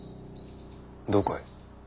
どこへ？